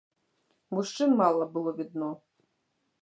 Мужчын мала было відно.